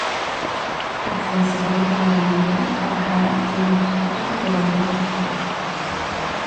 Hasta la Segunda Guerra Mundial trabajaba en el Instituto Meteorológico Estatal.